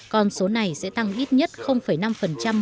con số này sẽ tăng ít nhất năm mỗi năm